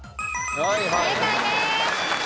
正解です。